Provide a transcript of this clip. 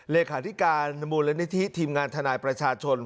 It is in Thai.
เลขาธิการมูลนิธิทีมงานทนายประชาชน